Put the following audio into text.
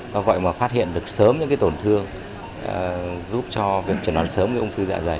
nó gọi là phát hiện được sớm những tổn thương giúp cho việc trần đoán sớm ung thư dạ dày